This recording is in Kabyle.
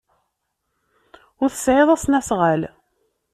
Ur tesɛiḍ asnasɣal.